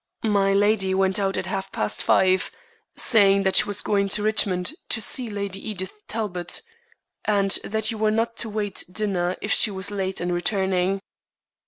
"Milady went out at half past five, saying that she was going to Richmond to see Lady Edith Talbot, and that you were not to wait dinner if she was late in returning."